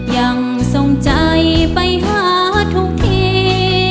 ยังทรงใจไปหาทุกที